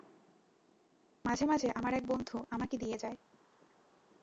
মাঝে-মাঝে আমার এক বন্ধু আমাকে দিয়ে যায়।